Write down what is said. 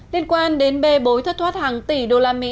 liên quan đến bê bối thất thoát hàng tỷ usd